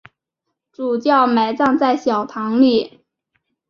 主教埋葬在小堂里。